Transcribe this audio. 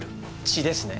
血ですね？